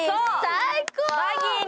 最高。